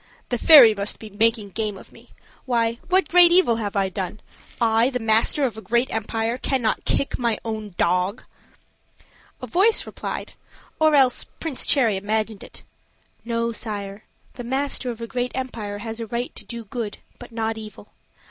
"The fairy must be making game of me. Why, what great evil have I done! I, the master of a great empire, cannot I kick my own dog?" A voice replied, or else Prince Cherry imagined it, "No, sire; the master of a great empire has a right to do good, but not evil.